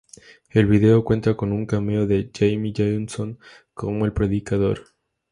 El video cuenta con un cameo de Jamey Johnson como el predicador.